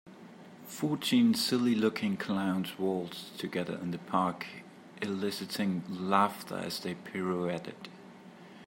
Fourteen silly looking clowns waltzed together in the park eliciting laughter as they pirouetted.